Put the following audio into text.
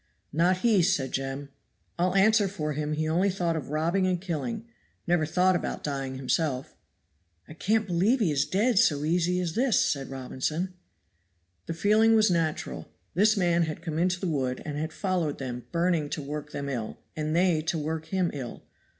"Not he," said Jem. "I'll answer for him he only thought of robbing and killing never thought about dying himself." "I can't believe he is dead so easy as this," said Robinson. The feeling was natural. This man had come into the wood and had followed them burning to work them ill, and they to work him ill.